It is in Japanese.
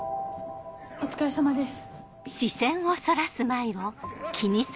お疲れさまです。